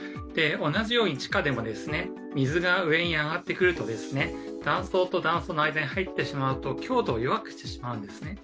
同じように地下でも水が上に上がってくると断層と断層の間に入ってしまうと強度を弱くしてしまうんですね。